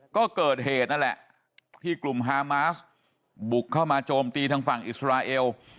ก็เกิดเหตุนั่นแหละที่กลุ่มฮามาสบุกเข้ามาโจมตีทางฝั่งอิสราเอล